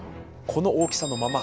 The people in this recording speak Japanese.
この大きさのまま？